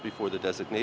phong trào cát tây